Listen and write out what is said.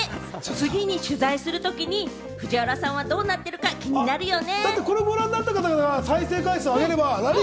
次に取材するときにＦＵＪＩＷＡＲＡさんがどうなっているか、気になるよね。